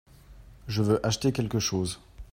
Je veux acheter quelque chose.